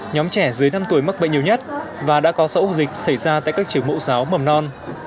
nhóm trẻ dưới năm tuổi mắc bệnh nhiều nhất và đã có sáu ổ dịch xảy ra tại các trường mẫu giáo mầm non